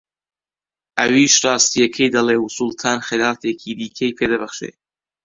ئەویش ڕاستییەکە دەڵێ و سوڵتان خەڵاتێکی دیکەی پێ دەبەخشێ